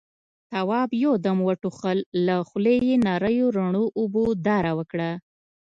تواب يو دم وټوخل، له خولې يې نريو رڼو اوبو داره وکړه.